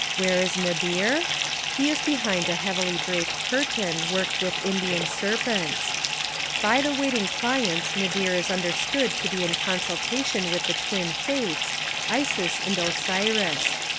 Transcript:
Where is Nadir? He is behind a heavily draped curtain, worked with Indian' serpents. By the waiting clients Nadir is un derstood to be in consultation with the twin fates, Isis and Osiris.